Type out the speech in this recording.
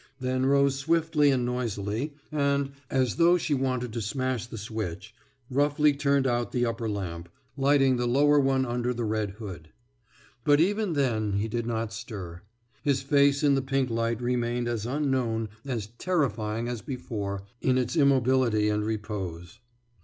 Then rose swiftly and noisily, and, as though she wanted to smash the switch, roughly turned out the upper lamp, lighting the lower one under the red hood. But even then he did not stir. His face in the pink light remained as unknown, as terrifying as before, in its immobility and repose.